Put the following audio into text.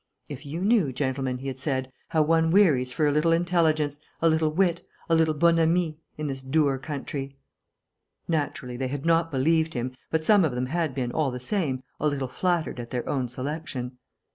"If you knew, gentlemen," he had said, "how one wearies for a little intelligence, a little wit, a little bonhomie, in this dour country!" Naturally, they had not believed him, but some of them had been, all the same, a little flattered at their own selection.